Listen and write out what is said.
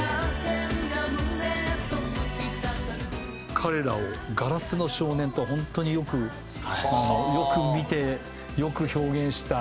彼らを「硝子の少年」と本当によくよく見てよく表現した。